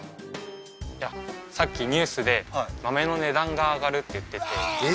いやさっきニュースで豆の値段が上がるって言っててえ！